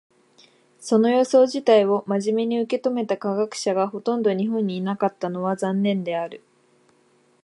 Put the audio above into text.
その予想自体を真面目に受け止めた科学者がほとんど日本にいなかったのは残念である。